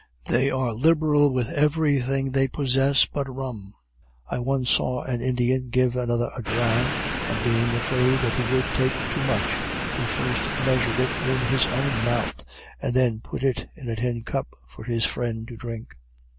They are liberal with every thing they possess but rum. I once saw an Indian give another a dram, and being afraid that he would take too much, he first measured it in his own mouth, and then put it into a tin cup for his friend to drink.